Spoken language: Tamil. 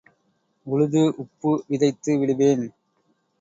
உழுது உப்பு விதைத்து விடுவேன்.